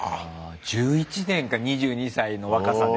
１１年か２２歳の若さで。